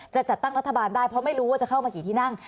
จัดตั้งรัฐบาลได้เพราะไม่รู้ว่าจะเข้ามากี่ที่นั่ง